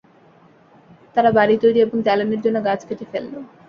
তারা বাড়ি তৈরি এবং জ্বালানির জন্য গাছ কেটে ফেললো।